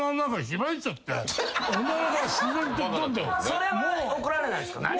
それは怒られないんすか？